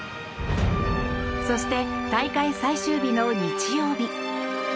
そして、大会最終日の日曜日。